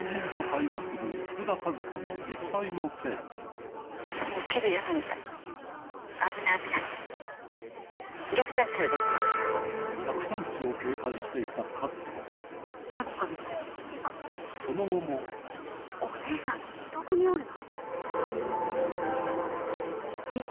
実際のテープその後もお姉さんどこにおるの？